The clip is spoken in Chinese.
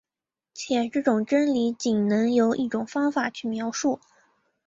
且这种真理仅能由一种方法去描述。